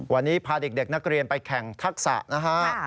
วันนี้พาเด็กนักเรียนไปแข่งทักษะนะฮะ